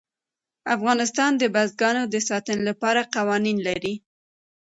افغانستان د بزګان د ساتنې لپاره قوانین لري.